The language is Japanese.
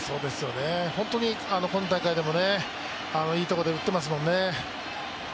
本当に今大会でもいいところで打ってますもんね。